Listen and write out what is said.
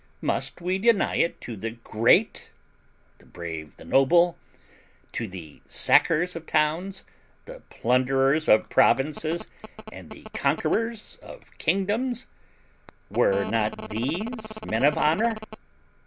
Must we deny it to the great, the brave, the noble; to the sackers of towns, the plunderers of provinces, and the conquerors of kingdoms! Were not these men of honour?